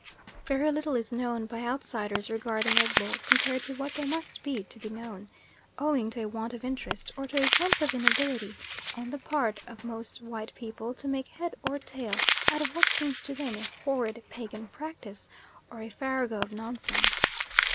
Very little is known by outsiders regarding Egbo compared to what there must be to be known, owing to a want of interest or to a sense of inability on the part of most white people to make head or tail out of what seems to them a horrid pagan practice or a farrago of nonsense.